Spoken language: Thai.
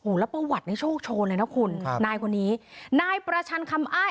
แล้วประวัติในโชคโชนเลยนะคุณนายคนนี้นายประชันคำอ้าย